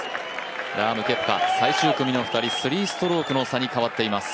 ラーム、ケプカ、最終組の２人、３ストロークの差に変わっています